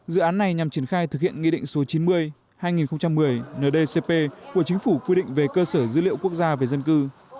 dự án này nhằm triển khai thực hiện nghị định số chín mươi hai nghìn một mươi ndcp của chính phủ quy định về cơ sở dữ liệu quốc gia về dân cư